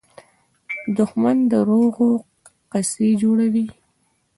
دښمن د دروغو قصې جوړوي